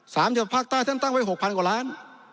สามจังหวัดภาคใต้ตั้งไว้๖๐๐๐กว่าล้านธรรมฐาน